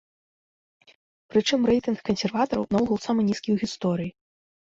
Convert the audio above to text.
Прычым рэйтынг кансерватараў наогул самы нізкі ў гісторыі.